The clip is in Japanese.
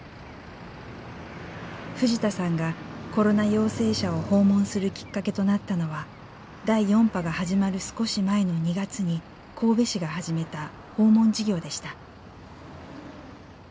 藤田さんがコロナ陽性者を訪問するきっかけとなったのは第４波が始まる少し前の２月に神戸市が始めた訪問事業でした。